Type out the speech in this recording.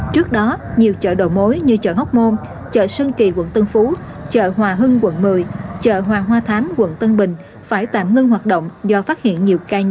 trước đó nhiều chợ đầu mối như chợ hóc môn chợ sơn kỳ quận tân phú chợ hòa hưng quận một mươi chợ hoàng hoa thám quận tân bình phải tạm ngưng hoạt động do phát hiện nhiều ca nhiễm